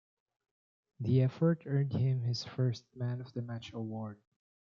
The effort earned him his first Man of the Match award.